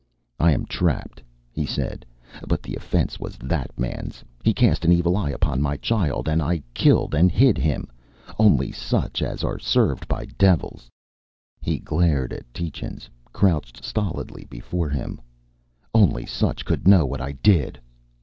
"I am trapped," he said, "but the offence was that man's. He cast an evil eye upon my child, and I killed and hid him. Only such as are served by devils," he glared at Tietjens, crouched stolidly before him, "only such could know what I did."